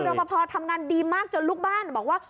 คือรับประพอท์ทำงานดีมากจนลูกบ้านบอกว่า